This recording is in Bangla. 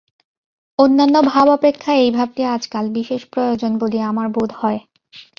অন্যান্য ভাব অপেক্ষা এই ভাবটি আজকাল বিশেষ প্রয়োজন বলিয়া আমার বোধ হয়।